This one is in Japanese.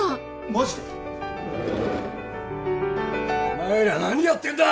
・お前ら何やってんだ！